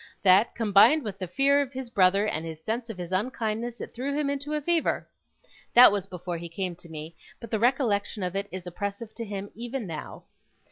that, combined with his fear of his brother, and his sense of his unkindness, it threw him into a fever. That was before he came to me, but the recollection of it is oppressive to him even now.